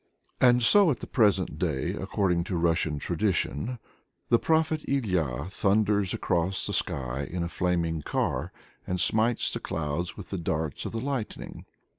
And so at the present day, according to Russian tradition, the Prophet Ilya thunders across the sky in a flaming car, and smites the clouds with the darts of the lightning.